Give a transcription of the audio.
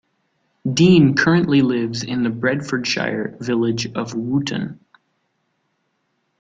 Dean currently lives in the Bedfordshire village of Wootton.